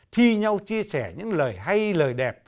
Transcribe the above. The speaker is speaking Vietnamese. thi nhau chia sẻ những lời hay lời đẹp